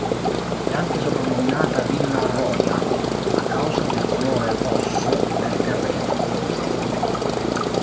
È anche soprannominata "Villa Roja" a causa del colore rosso del terreno.